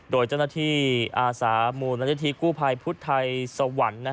โดยเจ้าหน้าที่อาสามูงและเจ้าหน้าที่กุภัยพุธไทยสวรรค์